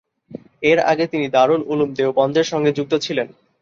এর আগে তিনি দারুল উলুম দেওবন্দের সঙ্গে যুক্ত ছিলেন।